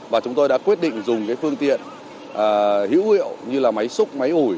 và chúng tôi đã quyết định dùng cái phương tiện hữu hiệu như là máy xúc máy ủi